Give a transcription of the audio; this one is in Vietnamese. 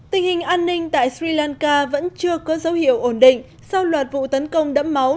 tình hình an ninh tại sri lanka vẫn chưa có dấu hiệu ổn định sau loạt vụ tấn công đẫm máu